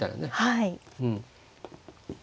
はい。